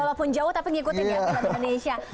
walaupun jauh tapi ngikutin ya